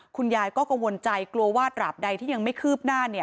คุณยายก็กังวลใจกลัวว่าตราบใดที่ยังไม่คืบหน้า